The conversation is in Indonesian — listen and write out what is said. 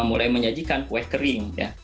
mulai menyajikan kue kering